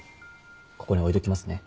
ここに置いときますね。